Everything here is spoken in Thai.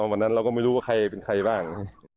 วันนั้นเราก็ไม่รู้ว่าใครเป็นใครบ้าง